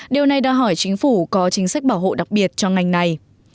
điều này đòi hỏi chính phủ có chính sách bảo hộ đặc biệt cho ngành này